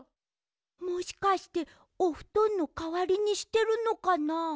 もしかしておふとんのかわりにしてるのかな？